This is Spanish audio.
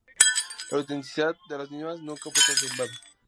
La autenticidad de las mismas nunca fue confirmada.